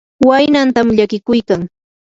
waynanta llakiykuykan.